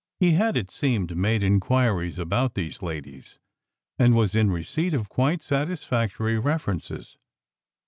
He had, it seemed, made inquiries about these ladies, and was in receipt of quite satisfactory references.